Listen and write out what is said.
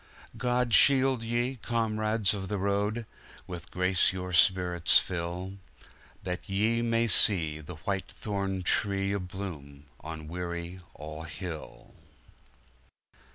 God shield ye, comrades of the road — With grace your spirits fill, That ye may see the White thorn tree A bloom on Weary All Hill!